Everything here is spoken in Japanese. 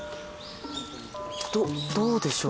どどうでしょう？